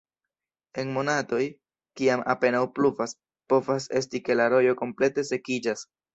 En monatoj, kiam apenaŭ pluvas, povas esti ke la rojo komplete sekiĝas.